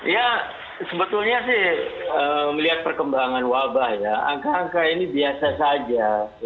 ya sebetulnya sih melihat perkembangan wabah ya angka angka ini biasa saja